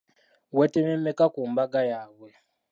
Weetemye mmeka ku mbaga yaabwe?